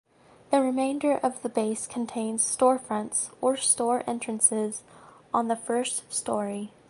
The remainder of the base contains storefronts or store entrances on the first story.